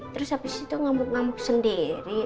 terus habis itu ngamuk ngamuk sendiri